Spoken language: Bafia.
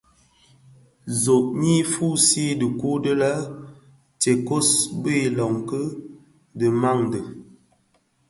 Zohnyi fusii dhikuu di le Isékos bi iloňki dhimandé.